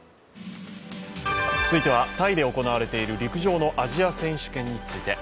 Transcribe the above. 続いてはタイで行われている陸上のアジア選手権について。